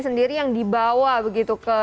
sendiri yang dibawa begitu ke